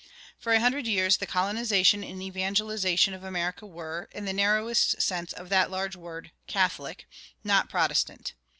For a hundred years the colonization and evangelization of America were, in the narrowest sense of that large word, Catholic, not Protestant.